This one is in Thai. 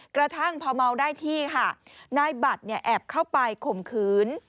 กระทั่งภาวเหมาได้ที่ในนายบัติแอบเข้าไปข่มขืน